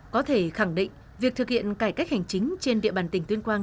có thể khẳng định việc thực hiện cải cách hành chính trên địa bàn tỉnh tuyên quang